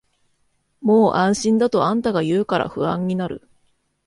もう安心だとあんたが言うから不安になる